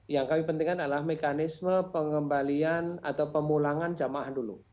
yang kami pentingkan adalah mekanisme pengembalian atau pemulangan jamaah dulu